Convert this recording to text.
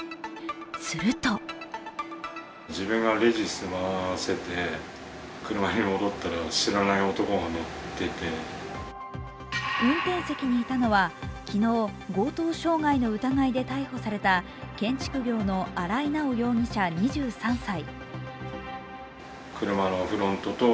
すると運転席にいたのは、昨日、強盗傷害の疑いで逮捕された建築業の荒井直容疑者２３歳。